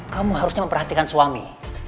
kamu harusnya memperhatikan suami